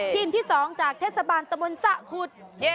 ทีมที่สองจากเทศบาลตะมนต์สะขุด